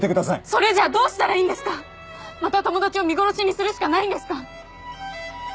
それじゃあどうしたらいいんですか⁉また友達を見殺しにするしかないんですか